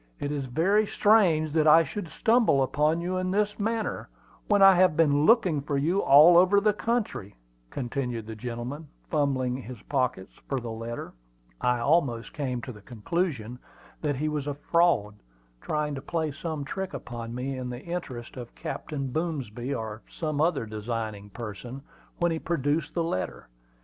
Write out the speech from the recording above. "It is very strange that I should stumble on you in this manner, when I have been looking for you all over the country," continued the gentleman, fumbling his pockets for the letter. I almost came to the conclusion that he was a "fraud," trying to play some trick upon me, in the interest of Captain Boomsby, or some other designing person, when he produced the letter.